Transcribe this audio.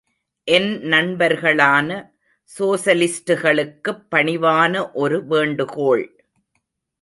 என் நண்பர்களான சோசலிஸ்டுகளுக்குப் பணிவான ஒரு வேண்டுகோள்.